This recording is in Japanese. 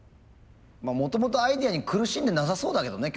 もともとアイデアに苦しんでなさそうだけどね